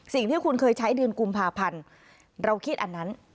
สิ่งที่คุณเคยใช้เดือนกุมภาพันธ์เราคิดอันนั้น